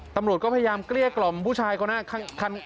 ตำรวจก็พยายามเกลี้ยกล่อมผู้ชายคนนั้น